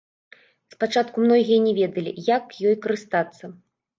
Спачатку многія не ведалі, як ёй карыстацца.